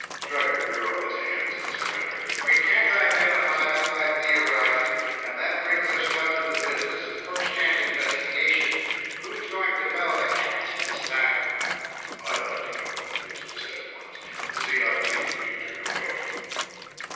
Stryker threw up his hands in surrender. "We can't identify them by theorizing, and that brings us down to the business of first hand investigation. Who's going to bell the cat this time?" "I'd like to go," Gibson said at once. "The ZIT computer can wait."